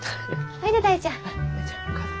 おいで大ちゃん。